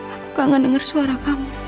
aku kangen dengar suara kamu